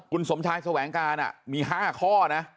คุณสมชายแสวงการมี๕ข้อนะ